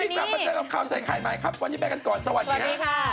กลับมาเจอกับข่าวใส่ไข่ใหม่ครับวันนี้ไปกันก่อนสวัสดีครับ